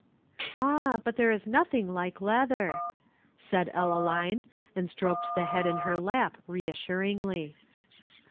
"Ah, but there is nothing like leather," said Ellaline, and stroked the head in her lap reassuringly.